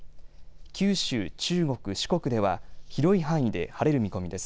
九州、中国、四国では広い範囲で晴れる見込みです。